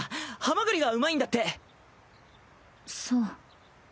ハマグリがうまいんだって。